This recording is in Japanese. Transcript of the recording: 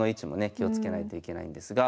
気をつけないといけないんですが。